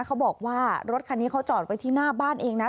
เขาบอกว่ารถคันนี้เขาจอดไว้ที่หน้าบ้านเองนะ